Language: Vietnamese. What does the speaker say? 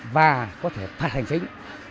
và có thể phạt hành trình